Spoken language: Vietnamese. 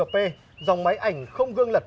ba p dòng máy ảnh không gương lật